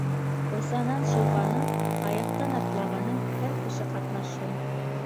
Осанан шыуғаны, аяҡтан атлағаны - һәр кеше ҡатнашһын.